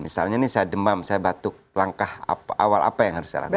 misalnya ini saya demam saya batuk langkah awal apa yang harus saya lakukan